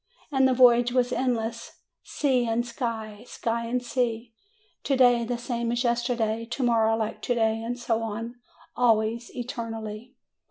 And the voyage was endless ; sea and sky, sky and sea ; to day the same as yesterday, to morrow like to day, and so on, always, eternally.